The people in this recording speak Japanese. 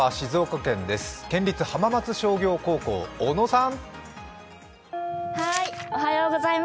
県立浜松商業高校、小野さん。